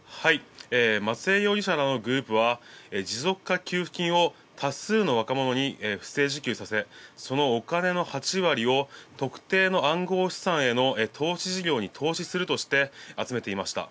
松江容疑者のグループは持続化給付金を多数の若者に不正受給させ、そのお金の８割を特定の暗号資産への投資事業に投資するとして集めていました。